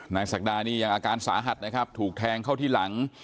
ศักดานี่ยังอาการสาหัสนะครับถูกแทงเข้าที่หลัง